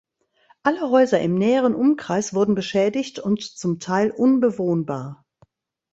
Alle Häuser im näheren Umkreis wurden beschädigt und zum Teil unbewohnbar.